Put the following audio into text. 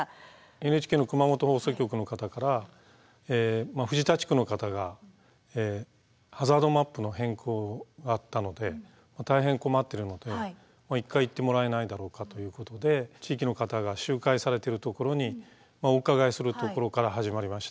ＮＨＫの熊本放送局の方から藤田地区の方がハザードマップの変更があったので大変困ってるので一回行ってもらえないだろうかということで地域の方が集会されてるところにお伺いするところから始まりました。